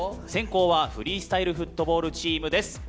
先攻はフリースタイルフットボールチームです。